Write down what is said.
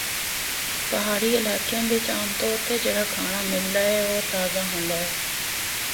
پہاڑی علاقیاں بچ عام طور تے جڑا کھانڑا ملدا اے او تازہ ہوندا ہے۔